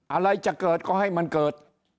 อะไรจะเกิดก็ให้มันเกิด